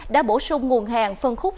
đã bổ sung nguồn hàng phân khúc